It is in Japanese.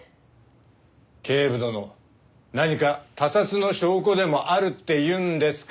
警部殿何か他殺の証拠でもあるっていうんですか？